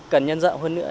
cần nhân dậu hơn nữa